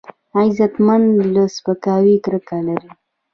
غیرتمند له سپکاوي کرکه لري